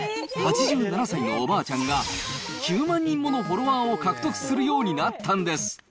８７歳のおばあちゃんが９万人ものフォロワーを獲得するようになったんです。